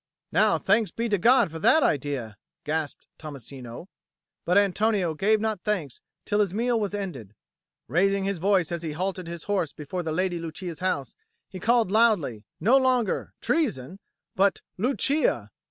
"Now thanks be to God for that idea!" gasped Tommasino. But Antonio gave not thanks till his meal was ended. Raising his voice as he halted his horse before the Lady Lucia's house, he called loudly, no longer "Treason!" but "Lucia!"